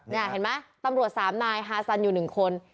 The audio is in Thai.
นี่ค่ะเห็นไหมตำรวจสามนายฮาซันอยู่หนึ่งคน